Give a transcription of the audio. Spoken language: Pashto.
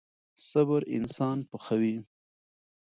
صبر انسان پخوي.